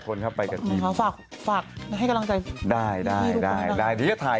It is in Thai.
ทุกคนตกใจกันหมดนะฮะ